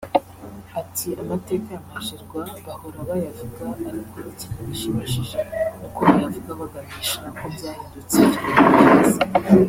Ati “Amateka ya Magerwa bahora bayavuga ariko ikintu gishimishije ni uko bayavuga baganisha ko byahindutse tumerewe neza